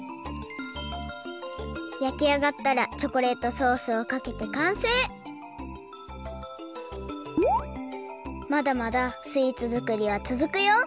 焼きあがったらチョコレートソースをかけてかんせいまだまだスイーツ作りはつづくよ！